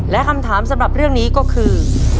และคำถามสำหรับเรื่องนี้ก็คือ